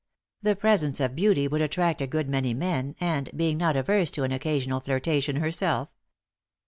The presence of beauty would attract a good many men and, being not averse to an occasional flirtation herself.